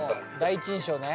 第一印象ね。